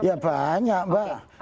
dalam kehidupan beragama